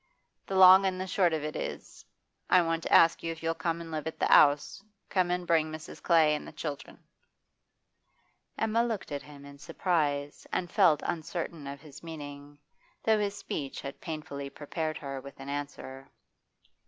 The long an' the short of it is, I want to ask you if you'll come an' live at the 'ouse, come and bring Mrs. Clay an' the children?' Emma looked at him in surprise and felt uncertain of his meaning, though his speech had painfully prepared her with an answer.